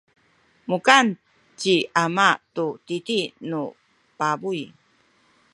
mukan ci ama tu titi nu pabuy.